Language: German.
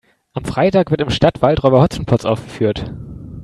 Am Freitag wird im Stadtwald Räuber Hotzenplotz aufgeführt.